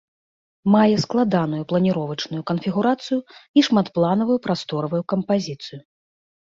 Мае складаную планіровачную канфігурацыю і шматпланавую прасторавую кампазіцыю.